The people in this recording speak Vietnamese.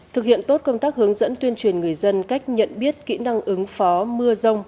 thực hiện tốt công tác hướng dẫn tuyên truyền người dân cách nhận biết kỹ năng ứng phó mưa rông